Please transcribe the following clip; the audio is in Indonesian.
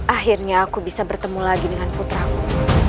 akhirnya aku bisa bertemu lagi dengan putramu